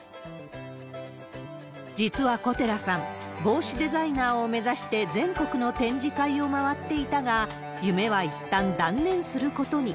実は古寺さん、帽子デザイナーを目指して、全国の展示会を回っていたが、夢はいったん断念することに。